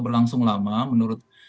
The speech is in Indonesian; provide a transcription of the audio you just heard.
berlangsung lama menurut